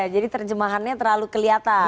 jadi terjemahannya terlalu kelihatan